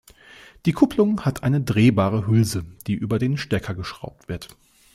Die Kupplung hat eine drehbare Hülse, die über den Stecker geschraubt wird.